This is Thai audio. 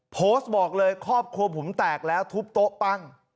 โพสต์บอกเลยครอบครัวผมแตกแล้วทุบโต๊ะปั้ง